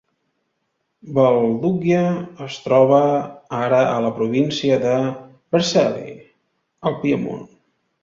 Valduggia es troba ara a la província de Vercelli, al Piemont.